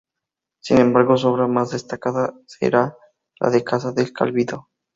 Sin embargo su obra más destacada será la Casa del Cabildo.